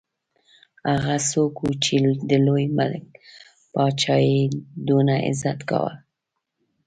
هغه څوک وو چې د لوی ملک پاچا یې دونه عزت کاوه.